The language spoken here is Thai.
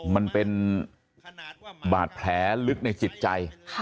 มันเป็นบาดแผลลึกในจิตใจ